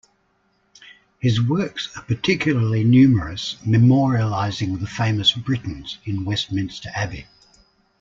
His works are particularly numerous memorialising the famous Britons in Westminster Abbey.